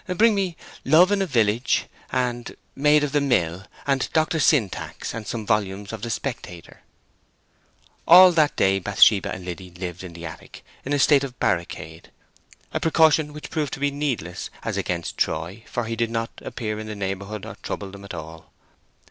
Bring me Love in a Village, and Maid of the Mill, and Doctor Syntax, and some volumes of the Spectator." All that day Bathsheba and Liddy lived in the attic in a state of barricade; a precaution which proved to be needless as against Troy, for he did not appear in the neighbourhood or trouble them at all.